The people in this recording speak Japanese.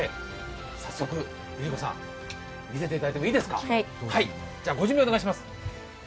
早速悠莉子さん、見せていただいてもいいですか？